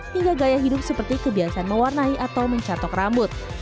hingga gaya hidup seperti kebiasaan mewarnai atau mencatok rambut